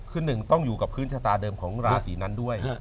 คือหนึ่งต้องอยู่กับพื้นชะตาเดิมของราศีนั้นด้วย